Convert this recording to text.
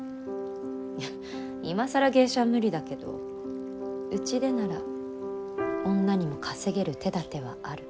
いや今更芸者は無理だけどうちでなら女にも稼げる手だてはある。